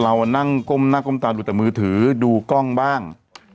เรานั่งก้มหน้าก้มตาดูแต่มือถือดูกล้องบ้าง